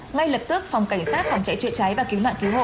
ngay lập tức phòng cảnh sát phòng cháy chữa cháy và cứu nạn cứu hộ